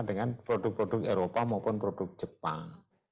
dengan produk produk eropa maupun produk jepang